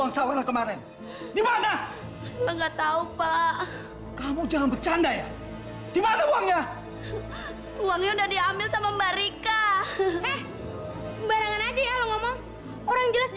sampai jumpa di video selanjutnya